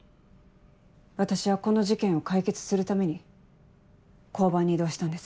私はこの事件を解決するために交番に異動したんです。